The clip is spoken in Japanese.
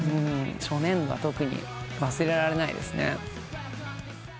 初年度は特に忘れられないですね。